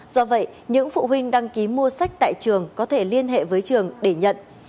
do vậy những phụ huynh đăng ký mua sách tại trường có thể liên hệ với trường để nhận